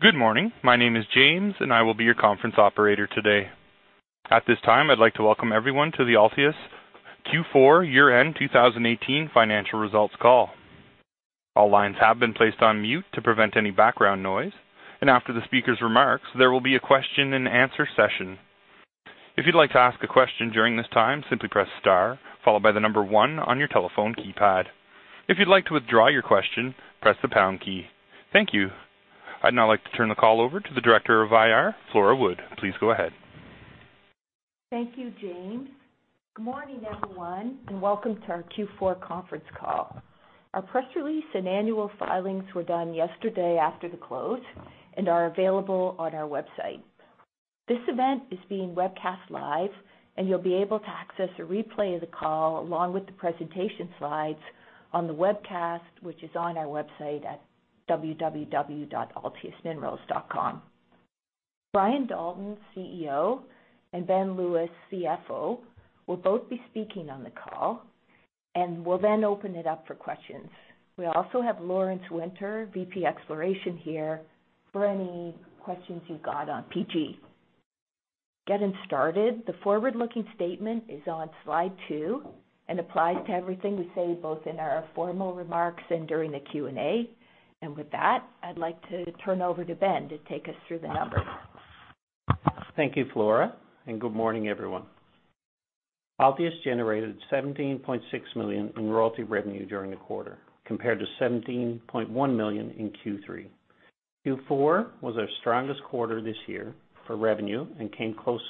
Good morning. My name is James, and I will be your conference operator today. At this time, I would like to welcome everyone to the Altius Q4 year-end 2018 financial results call. All lines have been placed on mute to prevent any background noise. After the speaker's remarks, there will be a question and answer session. If you would like to ask a question during this time, simply press star, followed by the number 1 on your telephone keypad. If you would like to withdraw your question, press the pound key. Thank you. I would now like to turn the call over to the Director of IR, Flora Wood. Please go ahead. Thank you, James. Good morning, everyone, and welcome to our Q4 conference call. Our press release and annual filings were done yesterday after the close and are available on our website. This event is being webcast live, and you will be able to access a replay of the call, along with the presentation slides on the webcast, which is on our website at www.altiusminerals.com. Brian Dalton, CEO, and Ben Lewis, CFO, will both be speaking on the call and will then open it up for questions. We also have Lawrence Winter, VP Exploration here for any questions you got on PG. Getting started, the forward-looking statement is on slide two and applies to everything we say, both in our formal remarks and during the Q&A. With that, I would like to turn over to Ben to take us through the numbers. Thank you, Flora, and good morning, everyone. Altius generated 17.6 million in royalty revenue during the quarter, compared to 17.1 million in Q3. Q4 was our strongest quarter this year for revenue and came close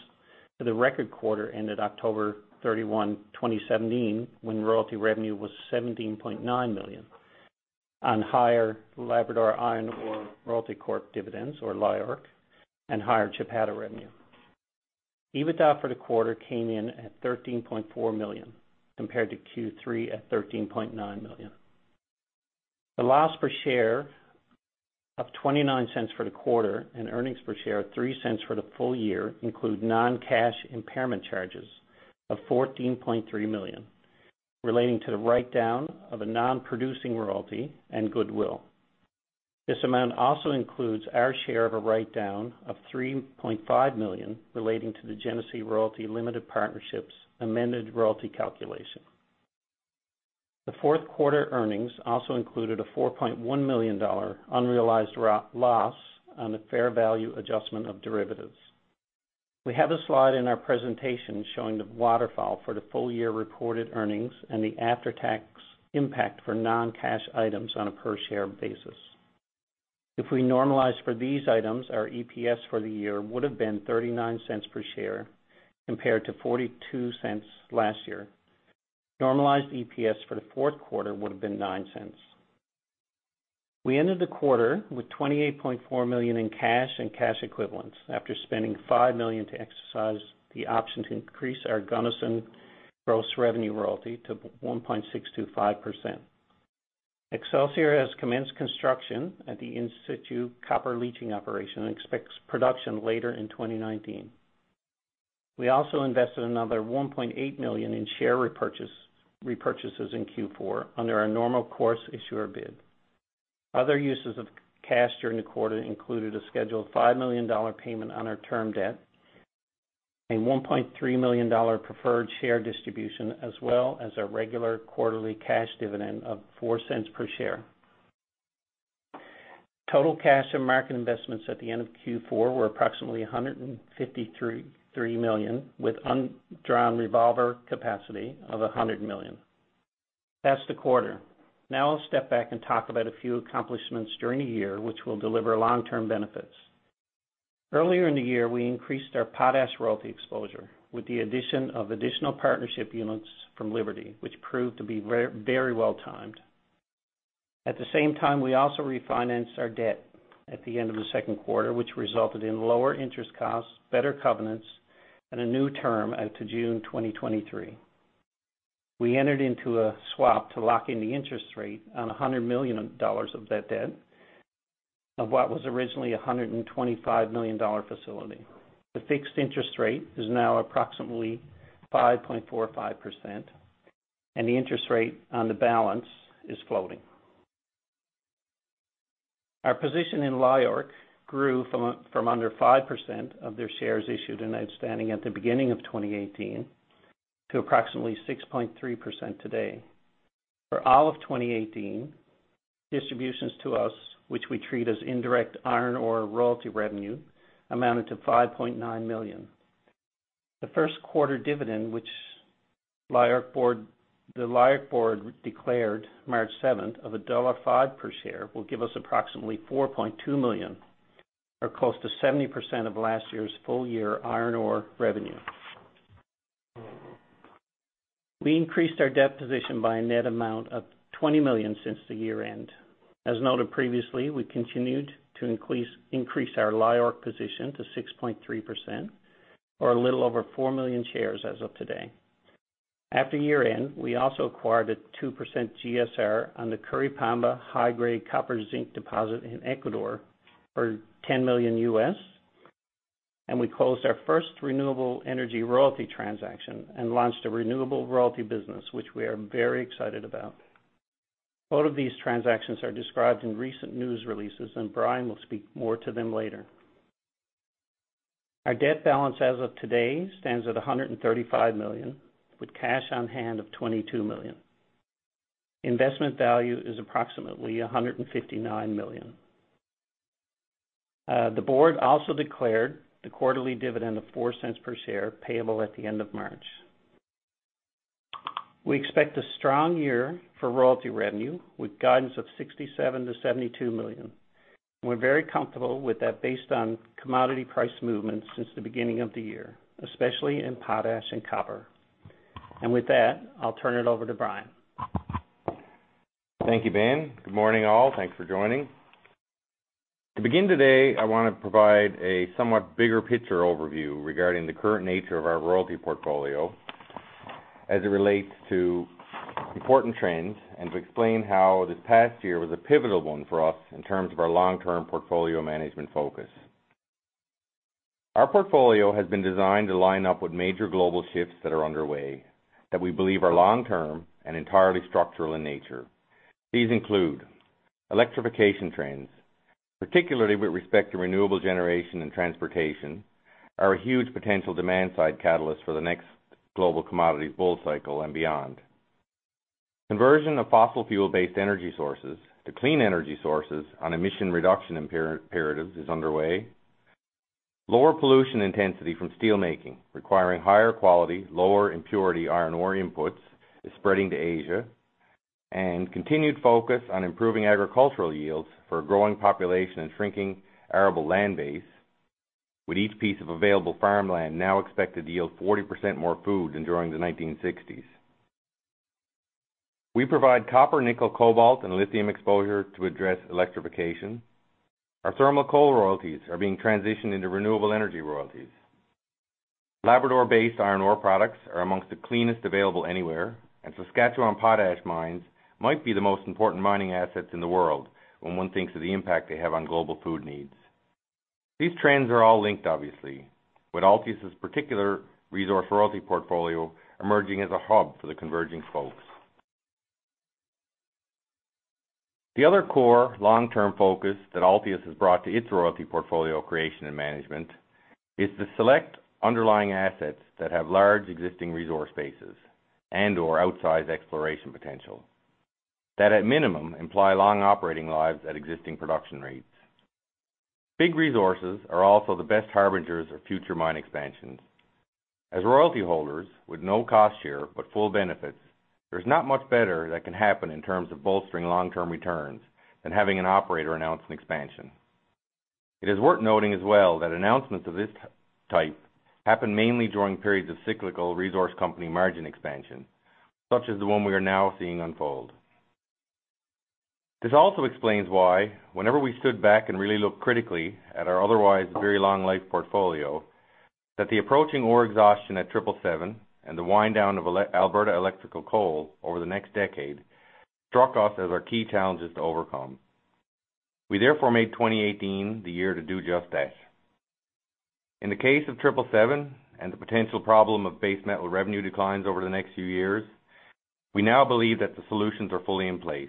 to the record quarter ended October 31, 2017, when royalty revenue was 17.9 million on higher Labrador Iron Ore Royalty Corp dividends, or LIORC, and higher Chapada revenue. EBITDA for the quarter came in at 13.4 million, compared to Q3 at 13.9 million. The loss per share of 0.29 for the quarter and earnings per share of 0.03 for the full year include non-cash impairment charges of 14.3 million relating to the write-down of a non-producing royalty and goodwill. This amount also includes our share of a write-down of 3.5 million relating to the Genesee Royalty Limited Partnership's amended royalty calculation. The fourth quarter earnings also included a 4.1 million dollar unrealized loss on the fair value adjustment of derivatives. We have a slide in our presentation showing the waterfall for the full year reported earnings and the after-tax impact for non-cash items on a per-share basis. If we normalize for these items, our EPS for the year would have been 0.39 per share compared to 0.42 last year. Normalized EPS for the fourth quarter would have been 0.09. We ended the quarter with 28.4 million in cash and cash equivalents after spending 5 million to exercise the option to increase our Gunnison gross revenue royalty to 1.625%. Excelsior has commenced construction at the in-situ copper leaching operation and expects production later in 2019. We also invested another 1.8 million in share repurchases in Q4 under our normal course issuer bid. Other uses of cash during the quarter included a scheduled 5 million dollar payment on our term debt, a 1.3 million dollar preferred share distribution, as well as our regular quarterly cash dividend of 0.04 per share. Total cash and market investments at the end of Q4 were approximately 153 million, with undrawn revolver capacity of 100 million. That's the quarter. I'll step back and talk about a few accomplishments during the year which will deliver long-term benefits. Earlier in the year, we increased our potash royalty exposure with the addition of additional partnership units from Liberty, which proved to be very well-timed. We also refinanced our debt at the end of the second quarter, which resulted in lower interest costs, better covenants, and a new term out to June 2023. We entered into a swap to lock in the interest rate on 100 million dollars of that debt of what was originally 125 million dollar facility. The fixed interest rate is now approximately 5.45%, and the interest rate on the balance is floating. Our position in LIORC grew from under 5% of their shares issued and outstanding at the beginning of 2018 to approximately 6.3% today. For all of 2018, distributions to us, which we treat as indirect iron ore royalty revenue, amounted to 5.9 million. The first quarter dividend, which the LIORC board declared March 7th of dollar 1.5 per share, will give us approximately 4.2 million, or close to 70% of last year's full year iron ore revenue. We increased our debt position by a net amount of 20 million since the year-end. As noted previously, we continued to increase our LIORC position to 6.3%, or a little over four million shares as of today. After year-end, we also acquired a 2% GSR on the Curipamba high-grade copper zinc deposit in Ecuador for $10 million U.S. We closed our first renewable energy royalty transaction and launched a renewable royalty business, which we are very excited about. All of these transactions are described in recent news releases. Brian will speak more to them later. Our debt balance as of today stands at 135 million, with cash on hand of 22 million. Investment value is approximately 159 million. The board also declared the quarterly dividend of 0.04 per share payable at the end of March. We expect a strong year for royalty revenue with guidance of 67 million-72 million. We're very comfortable with that based on commodity price movements since the beginning of the year, especially in potash and copper. With that, I'll turn it over to Brian. Thank you, Ben. Good morning, all. Thanks for joining. To begin today, I want to provide a somewhat bigger picture overview regarding the current nature of our royalty portfolio as it relates to important trends, and to explain how this past year was a pivotal one for us in terms of our long-term portfolio management focus. Our portfolio has been designed to line up with major global shifts that are underway that we believe are long-term and entirely structural in nature. These include electrification trends, particularly with respect to renewable generation and transportation, are a huge potential demand-side catalyst for the next global commodities bull cycle and beyond. Conversion of fossil fuel-based energy sources to clean energy sources on emission reduction imperatives is underway. Lower pollution intensity from steelmaking, requiring higher quality, lower impurity iron ore inputs is spreading to Asia. Continued focus on improving agricultural yields for a growing population and shrinking arable land base, with each piece of available farmland now expected to yield 40% more food than during the 1960s. We provide copper, nickel, cobalt, and lithium exposure to address electrification. Our thermal coal royalties are being transitioned into renewable energy royalties. Labrador-based iron ore products are amongst the cleanest available anywhere, and Saskatchewan potash mines might be the most important mining assets in the world when one thinks of the impact they have on global food needs. These trends are all linked, obviously, with Altius' particular resource royalty portfolio emerging as a hub for the converging spokes. The other core long-term focus that Altius has brought to its royalty portfolio creation and management is to select underlying assets that have large existing resource bases and/or outsized exploration potential that at minimum imply long operating lives at existing production rates. Big resources are also the best harbingers of future mine expansions. As royalty holders with no cost share but full benefits, there's not much better that can happen in terms of bolstering long-term returns than having an operator announce an expansion. It is worth noting as well that announcements of this type happen mainly during periods of cyclical resource company margin expansion, such as the one we are now seeing unfold. This also explains why whenever we stood back and really looked critically at our otherwise very long life portfolio, that the approaching ore exhaustion at Triple Seven and the wind down of Alberta Electrical Coal over the next decade struck us as our key challenges to overcome. We therefore made 2018 the year to do just that. In the case of Triple Seven and the potential problem of base metal revenue declines over the next few years, we now believe that the solutions are fully in place.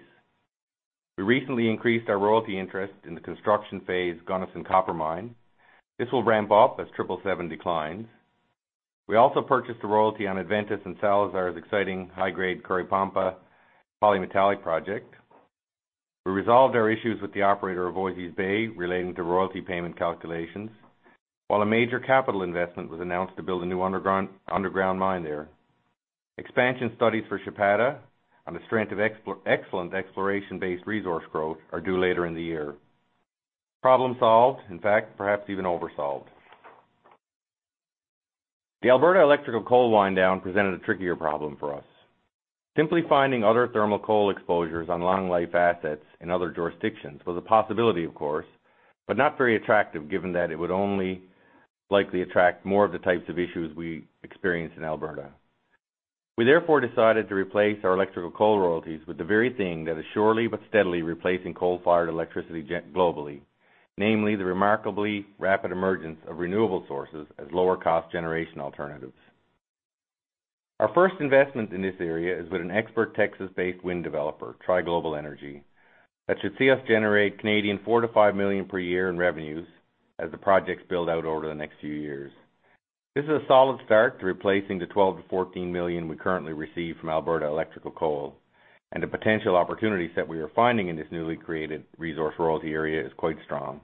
We recently increased our royalty interest in the construction phase, Gunnison Copper Mine. This will ramp up as Triple Seven declines. We also purchased a royalty on Adventus and Salazar's exciting high-grade Curipamba polymetallic project. We resolved our issues with the operator of Oasis Bay relating to royalty payment calculations. While a major capital investment was announced to build a new underground mine there. Expansion studies for Chapada on the strength of excellent exploration-based resource growth are due later in the year. Problem solved, in fact, perhaps even oversolved. The Alberta Electrical Coal wind down presented a trickier problem for us. Simply finding other thermal coal exposures on long life assets in other jurisdictions was a possibility, of course, but not very attractive, given that it would only likely attract more of the types of issues we experienced in Alberta. We therefore decided to replace our electrical coal royalties with the very thing that is surely but steadily replacing coal-fired electricity globally, namely the remarkably rapid emergence of renewable sources as lower cost generation alternatives. Our first investment in this area is with an expert Texas-based wind developer, Tri Global Energy, that should see us generate 4 million to 5 million per year in revenues as the projects build out over the next few years. This is a solid start to replacing the 12 million to 14 million we currently receive from Alberta Electrical Coal. The potential opportunity set we are finding in this newly created resource royalty area is quite strong.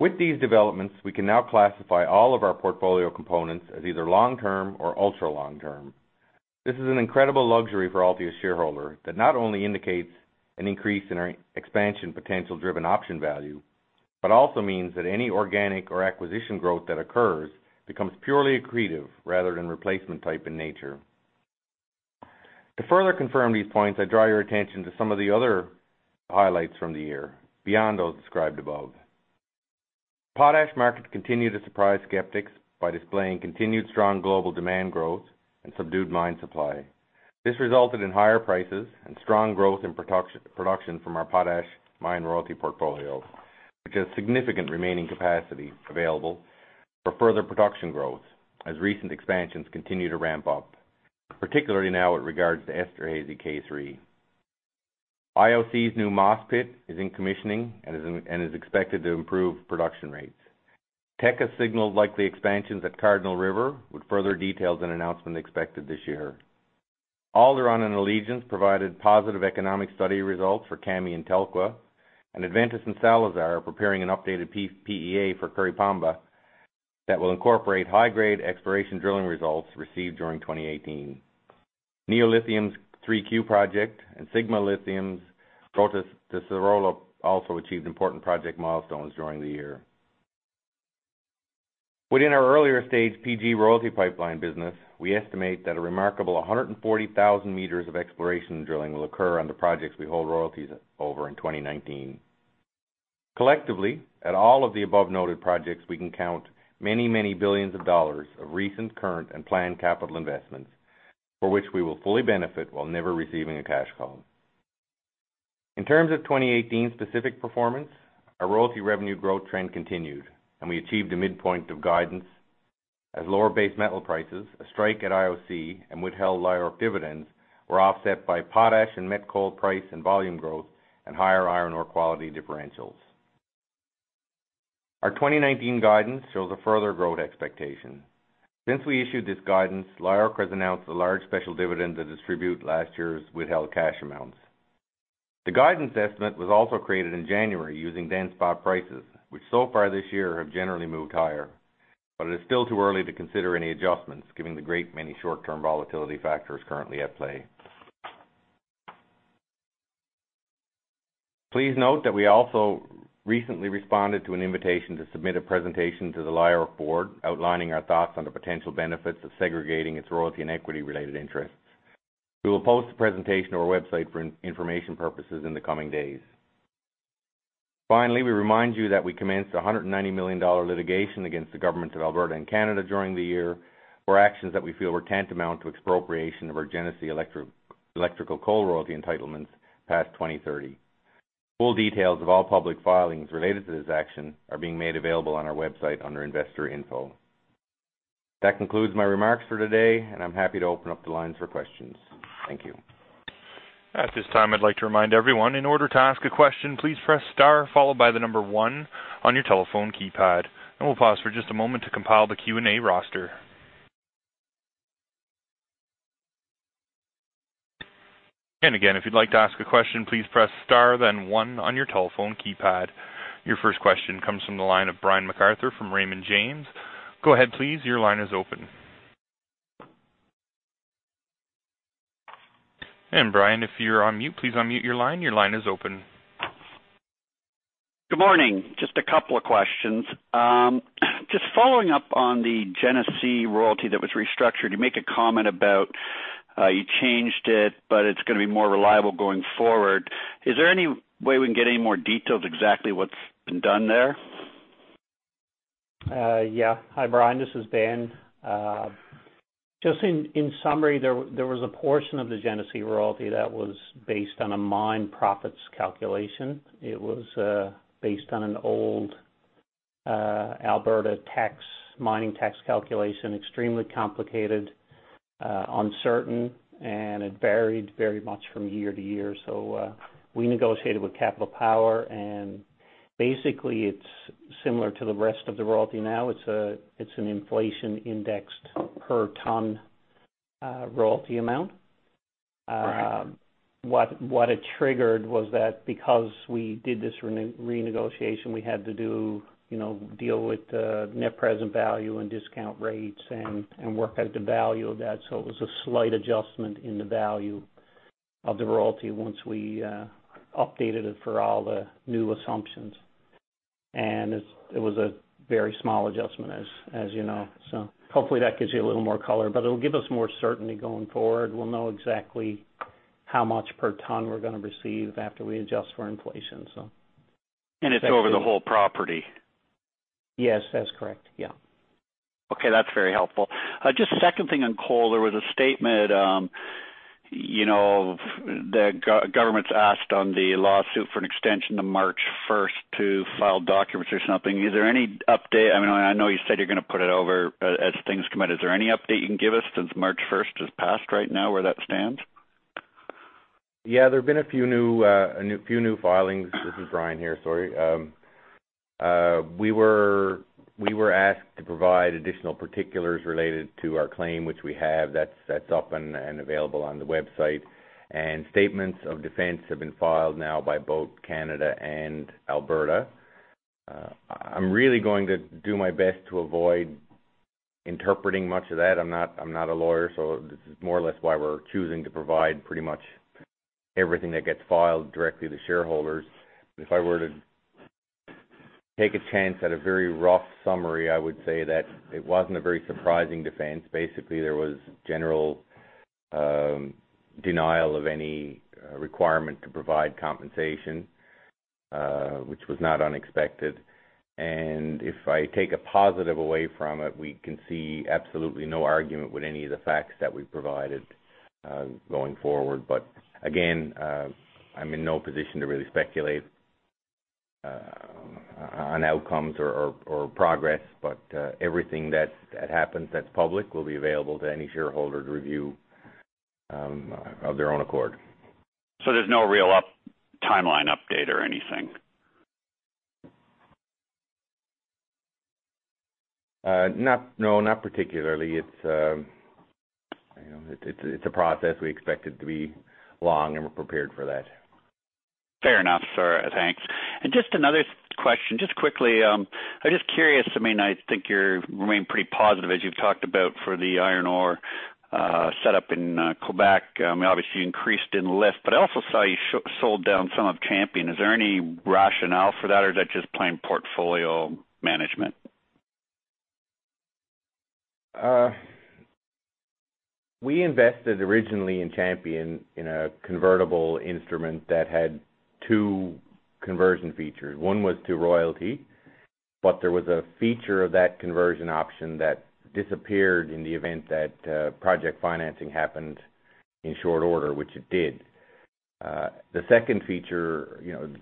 With these developments, we can now classify all of our portfolio components as either long term or ultra long term. This is an incredible luxury for Altius shareholders that not only indicates an increase in our expansion potential-driven option value, also means that any organic or acquisition growth that occurs becomes purely accretive rather than replacement type in nature. To further confirm these points, I draw your attention to some of the other highlights from the year beyond those described above. Potash markets continue to surprise skeptics by displaying continued strong global demand growth and subdued mine supply. This resulted in higher prices and strong growth in production from our potash mine royalty portfolio, which has significant remaining capacity available for further production growth as recent expansions continue to ramp up, particularly now with regards to Esterhazy K3. IOC's new Moss Pit is in commissioning and is expected to improve production rates. Teck has signaled likely expansions at Cardinal River, with further details and announcement expected this year. Alderon and Allegiance provided positive economic study results for Kami and Telkwa. Adventus and Salazar are preparing an updated PEA for Curipamba that will incorporate high-grade exploration drilling results received during 2018. Neo Lithium's 3Q project and Sigma Lithium's Grota do Cirilo also achieved important project milestones during the year. Within our earlier stage PG royalty pipeline business, we estimate that a remarkable 140,000 meters of exploration drilling will occur on the projects we hold royalties over in 2019. Collectively, at all of the above noted projects, we can count many billions of Canadian dollars of recent, current, and planned capital investments, for which we will fully benefit while never receiving a cash call. In terms of 2018 specific performance, our royalty revenue growth trend continued. We achieved a midpoint of guidance as lower base metal prices, a strike at IOC, and withheld LIORC dividends were offset by potash and met coal price and volume growth and higher iron ore quality differentials. Our 2019 guidance shows a further growth expectation. Since we issued this guidance, LIORC has announced a large special dividend to distribute last year's withheld cash amounts. The guidance estimate was also created in January using then spot prices, which so far this year have generally moved higher, but it is still too early to consider any adjustments given the great many short-term volatility factors currently at play. Please note that we also recently responded to an invitation to submit a presentation to the LIORC board outlining our thoughts on the potential benefits of segregating its royalty and equity related interests. We will post the presentation to our website for information purposes in the coming days. Finally, we remind you that we commenced a 190 million dollar litigation against the government of Alberta and Canada during the year for actions that we feel were tantamount to expropriation of our Genesee Alberta Electrical Coal royalty entitlements past 2030. Full details of all public filings related to this action are being made available on our website under Investor Info. That concludes my remarks for today, and I'm happy to open up the lines for questions. Thank you. At this time, I'd like to remind everyone, in order to ask a question, please press star followed by the number one on your telephone keypad, and we'll pause for just a moment to compile the Q&A roster. Again, if you'd like to ask a question, please press star, then one on your telephone keypad. Your first question comes from the line of Brian MacArthur from Raymond James. Go ahead, please. Your line is open. Brian, if you're on mute, please unmute your line. Your line is open. Good morning. Just a couple of questions. Just following up on the Genesee royalty that was restructured, you make a comment about you changed it, but it's going to be more reliable going forward. Is there any way we can get any more details exactly what's been done there? Yeah. Hi, Brian, this is Ben. Just in summary, there was a portion of the Genesee royalty that was based on a mine profits calculation. It was based on an old Alberta mining tax calculation, extremely complicated, uncertain, and it varied very much from year to year. We negotiated with Capital Power, basically it's similar to the rest of the royalty now. It's an inflation indexed per ton royalty amount. Right. What it triggered was that because we did this renegotiation, we had to deal with net present value and discount rates and work out the value of that. It was a slight adjustment in the value of the royalty once we updated it for all the new assumptions. It was a very small adjustment, as you know. Hopefully that gives you a little more color, but it'll give us more certainty going forward. We'll know exactly how much per ton we're going to receive after we adjust for inflation. It's over the whole property? Yes, that's correct. Yeah. Okay. That's very helpful. Just second thing on coal, there was a statement, the government's asked on the lawsuit for an extension to March 1st to file documents or something. Is there any update? I know you said you're going to put it over as things come out. Is there any update you can give us since March 1st has passed right now, where that stands? There have been a few new filings. This is Brian here, sorry. We were asked to provide additional particulars related to our claim, which we have. That's up and available on the website. Statements of defense have been filed now by both Canada and Alberta. I'm really going to do my best to avoid interpreting much of that. I'm not a lawyer, so this is more or less why we're choosing to provide pretty much everything that gets filed directly to shareholders. If I were to take a chance at a very rough summary, I would say that it wasn't a very surprising defense. Basically, there was general denial of any requirement to provide compensation, which was not unexpected. If I take a positive away from it, we can see absolutely no argument with any of the facts that we've provided going forward. Again, I'm in no position to really speculate on outcomes or progress. Everything that happens that's public will be available to any shareholder to review of their own accord. There's no real timeline update or anything? No, not particularly. It's a process we expected to be long, and we're prepared for that. Fair enough, sir. Thanks. Just another question, just quickly. I'm just curious, I think you remain pretty positive as you've talked about for the iron ore setup in Quebec. Obviously increased in LIF. I also saw you sold down some of Champion. Is there any rationale for that, or is that just plain portfolio management? We invested originally in Champion in a convertible instrument that had two conversion features. One was to royalty. There was a feature of that conversion option that disappeared in the event that project financing happened in short order, which it did. The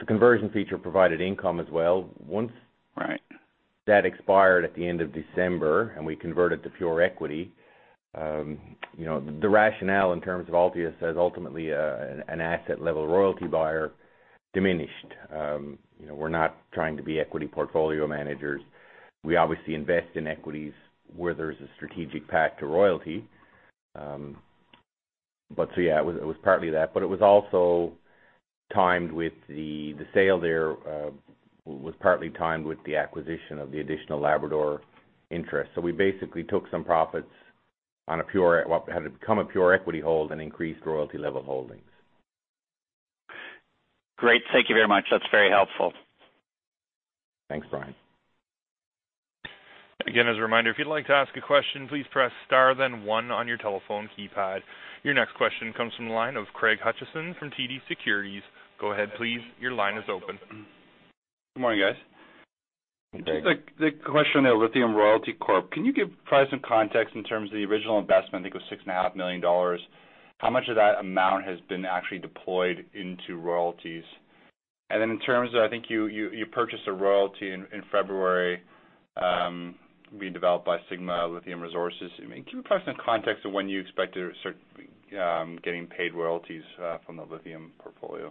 conversion feature provided income as well. Right. That expired at the end of December. We converted to pure equity. The rationale in terms of Altius as ultimately an asset level royalty buyer diminished. We're not trying to be equity portfolio managers. We obviously invest in equities where there's a strategic path to royalty. It was partly that. It was also timed with the sale there, was partly timed with the acquisition of the additional Labrador interest. We basically took some profits on what had become a pure equity hold and increased royalty level holdings. Great. Thank you very much. That's very helpful. Thanks, Brian. Again, as a reminder, if you'd like to ask a question, please press star then one on your telephone keypad. Your next question comes from the line of Craig Hutchison from TD Securities. Go ahead, please. Your line is open. Good morning, guys. Good day. The question of Lithium Royalty Corp. Can you give probably some context in terms of the original investment? I think it was 6.5 million dollars. How much of that amount has been actually deployed into royalties? Then in terms of, I think you purchased a royalty in February being developed by Sigma Lithium Resources. Can you provide some context of when you expect to start getting paid royalties from the lithium portfolio?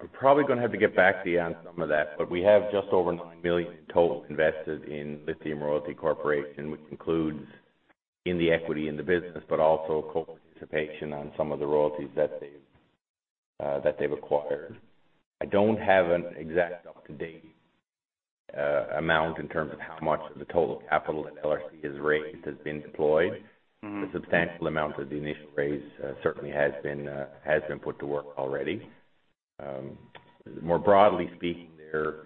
I'm probably going to have to get back to you on some of that, we have just over 9 million total invested in Lithium Royalty Corp., which includes in the equity in the business, but also co-participation on some of the royalties that they've acquired. I don't have an exact up-to-date amount in terms of how much of the total capital that LRC has raised has been deployed. A substantial amount of the initial raise certainly has been put to work already. More broadly speaking there,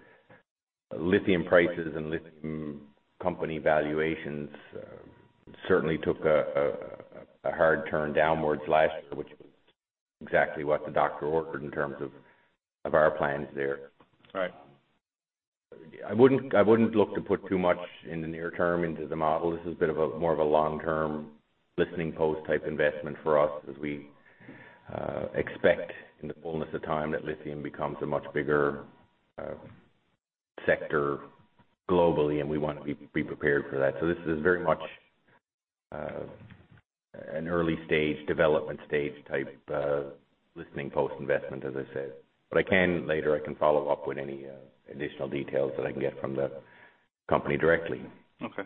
lithium prices and lithium company valuations certainly took a hard turn downwards last year, which was exactly what the doctor ordered in terms of our plans there. Right. I wouldn't look to put too much in the near term into the model. This is a bit of a more of a long-term listening post type investment for us as we expect in the fullness of time that lithium becomes a much bigger sector globally, and we want to be prepared for that. This is very much an early stage, development stage type listening post investment, as I said. I can later, I can follow up with any additional details that I can get from the company directly. Okay.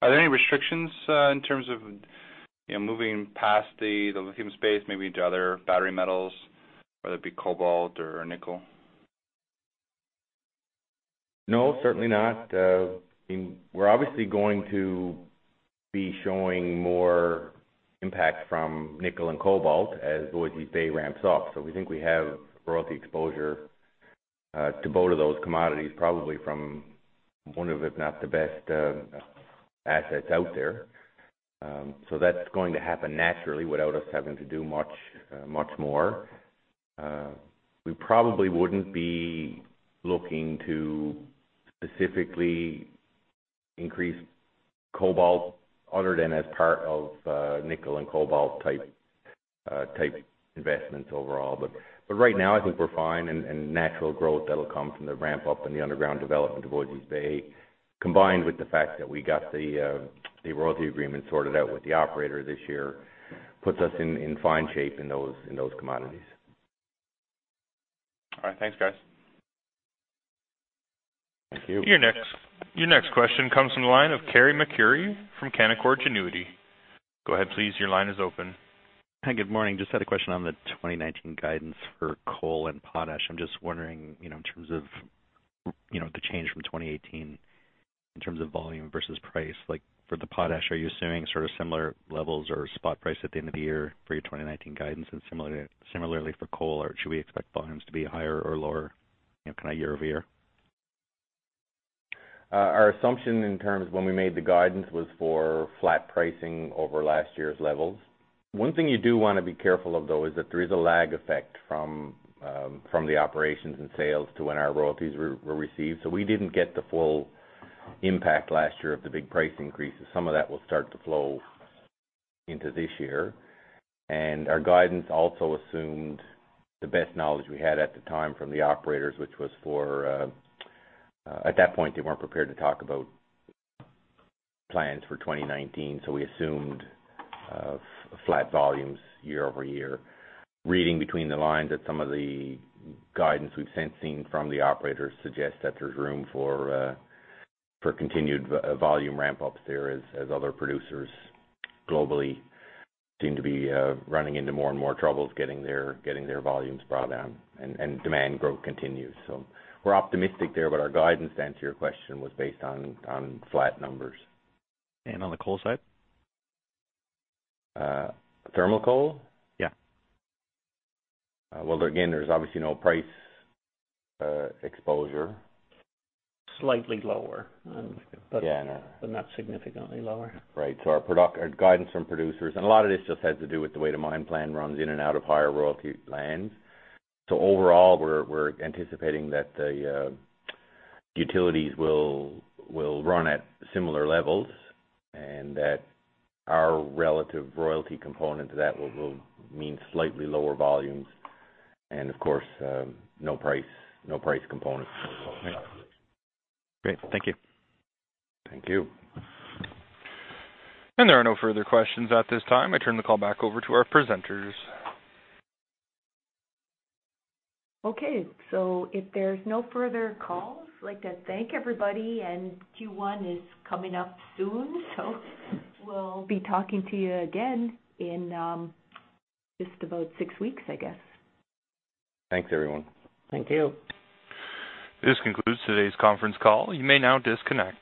Are there any restrictions in terms of moving past the lithium space, maybe to other battery metals, whether it be cobalt or nickel? No, certainly not. We're obviously going to be showing more impact from nickel and cobalt as Voisey's Bay ramps up. We think we have royalty exposure to both of those commodities, probably from one of, if not the best assets out there. That's going to happen naturally without us having to do much more. We probably wouldn't be looking to specifically increase cobalt other than as part of nickel and cobalt type investments overall. Right now I think we're fine, and natural growth that'll come from the ramp up in the underground development of Voisey's Bay, combined with the fact that we got the royalty agreement sorted out with the operator this year, puts us in fine shape in those commodities. All right. Thanks, guys. Thank you. Your next question comes from the line of Carey MacRury from Canaccord Genuity. Go ahead, please. Your line is open. Hi, good morning. Just had a question on the 2019 guidance for coal and potash. I'm just wondering in terms of the change from 2018, in terms of volume versus price. Like for the potash, are you assuming sort of similar levels or spot price at the end of the year for your 2019 guidance? Similarly for coal, or should we expect volumes to be higher or lower, kind of year-over-year? Our assumption in terms when we made the guidance was for flat pricing over last year's levels. One thing you do want to be careful of, though, is that there is a lag effect from the operations and sales to when our royalties were received. We didn't get the full impact last year of the big price increases. Some of that will start to flow into this year. Our guidance also assumed the best knowledge we had at the time from the operators, which was At that point, they weren't prepared to talk about plans for 2019, so we assumed flat volumes year-over-year. Reading between the lines at some of the guidance we've since seen from the operators suggests that there's room for continued volume ramp-ups there as other producers globally seem to be running into more and more troubles getting their volumes brought down, and demand growth continues. We're optimistic there, but our guidance, to answer your question, was based on flat numbers. On the coal side? Thermal coal? Yeah. Well, again, there's obviously no price exposure. Slightly lower. Yeah, no. Not significantly lower. Right. Our guidance from producers, and a lot of this just has to do with the way the mine plan runs in and out of higher royalty lands. Overall, we're anticipating that the utilities will run at similar levels and that our relative royalty component to that will mean slightly lower volumes and of course, no price component. Great. Thank you. Thank you. There are no further questions at this time. I turn the call back over to our presenters. Okay. If there's no further calls, I'd like to thank everybody and Q1 is coming up soon, so we'll be talking to you again in just about six weeks, I guess. Thanks, everyone. Thank you. This concludes today's conference call. You may now disconnect.